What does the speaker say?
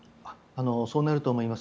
そうなると思います。